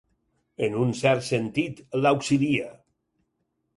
En un cert sentit, l'auxilia.